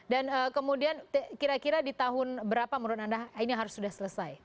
dan kemudian kira kira di tahun berapa menurut anda ini harus sudah selesai